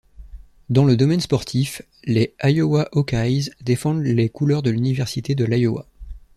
Dans le domaine sportif, les Iowa Hawkeyes défendent les couleurs de l'université de l'Iowa.